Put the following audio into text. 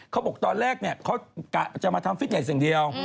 เขาบอกตอนแรกจะมาทำฟิสเนตสักอย่างเดียว